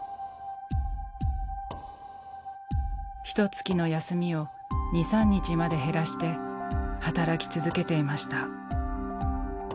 ひとつきの休みを２３日まで減らして働き続けていました。